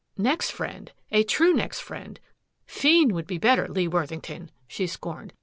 "Next friend a true next friend fiend would be better, Lee Worthington," she scorned.